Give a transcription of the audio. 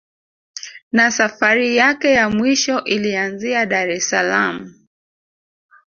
Na safari yake ya mwisho ilianzia Dar es saalam